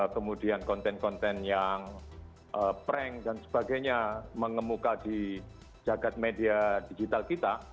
kemudian konten konten yang prank dan sebagainya mengemuka di jagad media digital kita